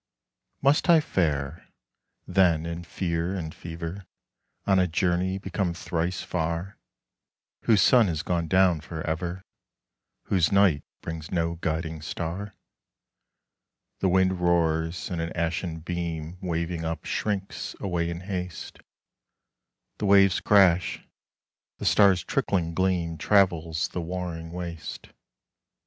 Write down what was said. Must I fare, then, in fear and fever On a journey become thrice far Whose sun has gone down for ever, Whose night brings no guiding star? The wind roars, and an ashen beam Waving up shrinks away in haste. The waves crash. The star's trickling gleam Travels the warring waste.